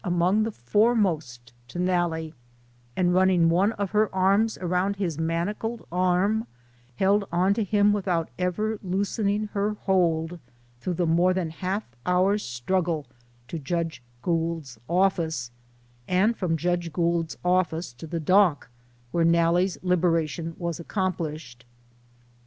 SOME SCENES IN THE amongst the foremost to Nalle, and running one of her arms around his manacled arm, held on to him without ever loosening her hold through the more than half hour's struggle to Judge Gould's office, and from Judge Gould's office to the dock, where Nalle's liberation was accomplished.